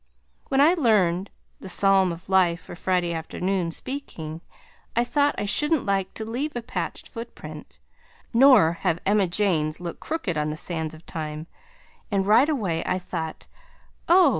When I learned The Psalm of Life for Friday afternoon speaking I thought I shouldn't like to leave a patched footprint, nor have Emma Jane's look crooked on the sands of time, and right away I thought Oh!